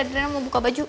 adriana mau buka baju